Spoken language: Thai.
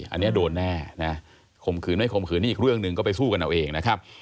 อันนี้โดนแน่นะข่มขืนไม่ข่มขืนนี่อีกเรื่องหนึ่งก็ไปสู้กันเอาเองนะครับ